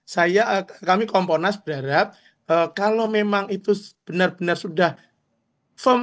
saya kami komponas berharap kalau memang itu benar benar sudah firm